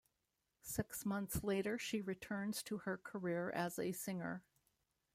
Six months later she returns to her career as a singer.